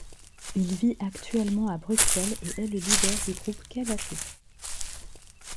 Il vit actuellement a Bruxelles et est le leader du groupe Kel Assouf.